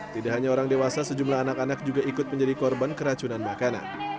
tidak hanya orang dewasa sejumlah anak anak juga ikut menjadi korban keracunan makanan